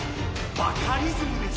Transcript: バカリズムです